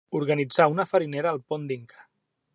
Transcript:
Organitzà una farinera al Pont d'Inca.